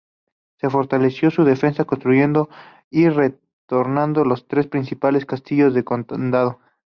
Se fortaleció su defensa construyendo y reformando los tres principales castillos del condado.